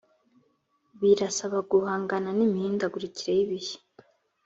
birasaba guhangana n imihindagurikire y ibihe